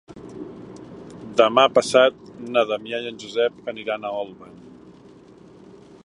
Demà passat na Damià i en Josep aniran a Olvan.